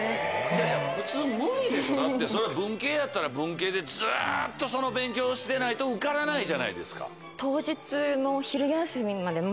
普通無理でしょだって文系やったら文系でずっとその勉強してないと受からないじゃないですか。